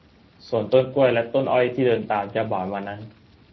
ส่วนต้นกล้วยและต้นอ้อยที่เดินตามเจ้าบ่าวมานั้น